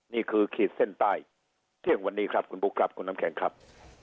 ขีดเส้นใต้เที่ยงวันนี้ครับคุณบุ๊คครับคุณน้ำแข็งครับ